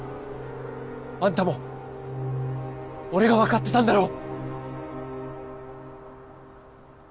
あんたも俺が分かってたんだろ？